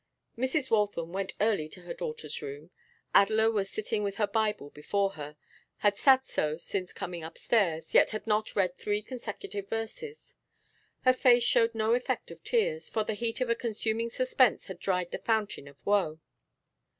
Mrs. Waltham went early to her daughter's room. Adela was sitting with her Bible before her had sat so since coming upstairs, yet had not read three consecutive verses. Her face showed no effect of tears, for the heat of a consuming suspense had dried the fountains of woe.